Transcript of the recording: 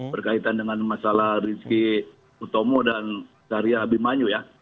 berkaitan dengan masalah rz utomo dan syahriyan abimanyu ya